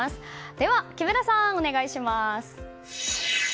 では木村さん、お願いします。